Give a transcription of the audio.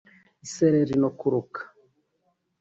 Isereri no kuruka